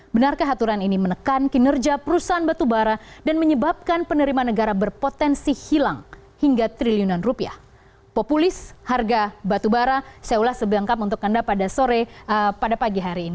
benarkah aturan ini menekan kinerja perusahaan batubara dan menyebabkan penerimaan negara berpotensi hilang hingga triliunan rupiah